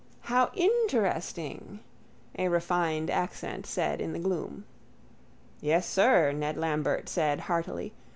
—How interesting! a refined accent said in the gloom. —Yes, sir, Ned Lambert said heartily.